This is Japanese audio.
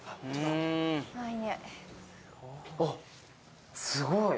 あっすごい。